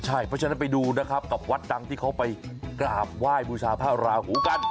ใช่เพราะฉะนั้นไปดูนะครับกับวัดดังที่เขาไปกราบไหว้บูชาพระราหูกัน